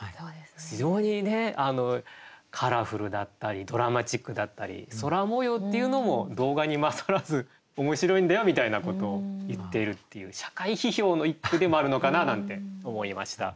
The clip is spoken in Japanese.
非常にねカラフルだったりドラマチックだったり空もようっていうのも動画に勝らず面白いんだよみたいなことを言っているっていう社会批評の一句でもあるのかななんて思いました。